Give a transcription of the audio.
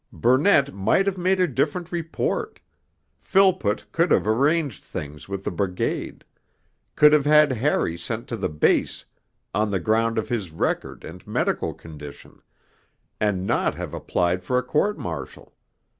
Burnett might have made a different report; Philpott could have 'arranged things' with the Brigade could have had Harry sent to the Base on the ground of his record and medical condition, and not have applied for a Court Martial.